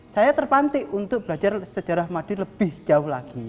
saya terpantik untuk belajar sejarah madiun lebih jauh lagi